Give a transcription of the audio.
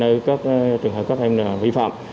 nơi các trường hợp các em bị phạm